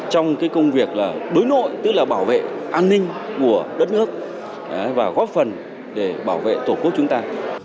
trong công việc là đối nội tức là bảo vệ an ninh của đất nước và góp phần để bảo vệ tổ quốc chúng ta